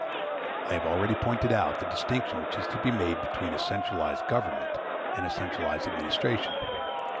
I have already pointed out the distinction which is to be made between a centralized government and a centralized administration.